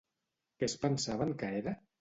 Què es pensaven que era?